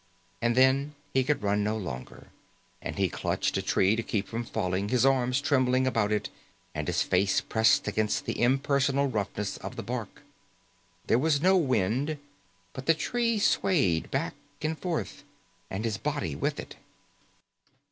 And then, he could run no longer, and he clutched a tree to keep from falling, his arms trembling about it, and his face pressed against the impersonal roughness of the bark. There was no wind, but the tree swayed back and forth and his body with it.